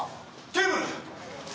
警部！